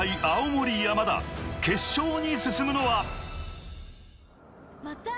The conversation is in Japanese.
青森山田、決勝に進むのは。